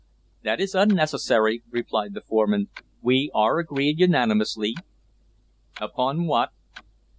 "That is unnecessary," replied the foreman. "We are agreed unanimously." "Upon what?"